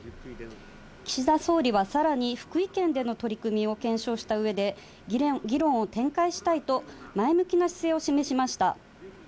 岸田総理はさらに、福井県での取り組みを検証したうえで、議論を展開したいと前向きな姿勢を示しました。